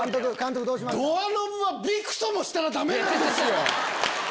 ドアノブはびくともしたらダメなんですよ！